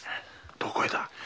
どこへだ？